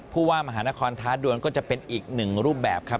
ผู้ว่ามหานครท้าดวนก็จะเป็นอีกหนึ่งรูปแบบครับ